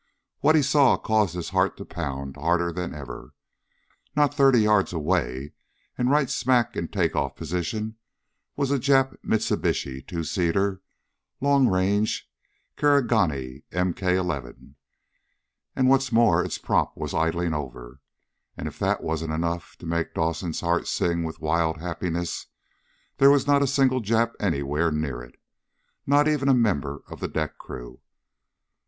What he saw caused his heart to pound harder than ever. Not thirty yards away, and right smack in take off position, was a Jap Mitsubishi two seater, long range "Karigane" MK 11. And what's more, its prop was idling over! And if that wasn't enough to make Dawson's heart sing with wild happiness, there was not a single Jap anywhere near it. Not even a member of the deck crew.